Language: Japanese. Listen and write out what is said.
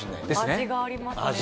味がありますね。